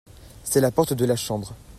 c'est la porte de la chambre.